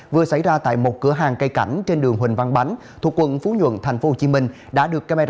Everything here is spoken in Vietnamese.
vừa xảy ra tại một cửa hàng cây cảnh trên đường huỳnh văn bánh thuộc quận phú nhuận tp hcm